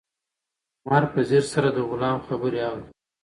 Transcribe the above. عمر په ځیر سره د غلام خبرې اوري.